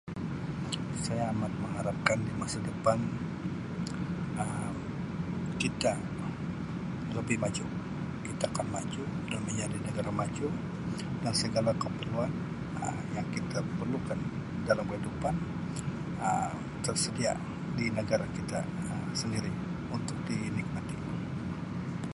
Saya amat mengharapkan masa depan Um kita lebih maju di takat maju dan menjadi negara maju dan segala keperluan Um yang kita perlukan dalam kehidupan Um kesediaan di negara kita sendiri untuk di nikmati.